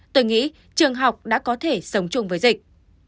tôi nghĩ trường học đã có thể sống chung với dịch